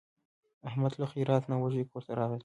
احمد له خیرات نه وږی کورته راغی.